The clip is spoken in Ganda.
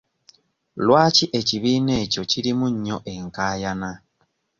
Lwaki ekibiina ekyo kirimu nnyo enkaayana.